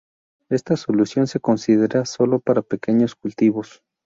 Esta solución se considera sólo para pequeños cultivos.